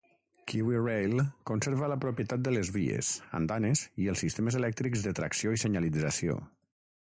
KiwiRail conserva la propietat de les vies, andanes i els sistemes elèctrics de tracció i senyalització.